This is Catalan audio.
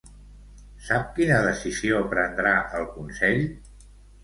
Sap quina decisió prendrà el Consell?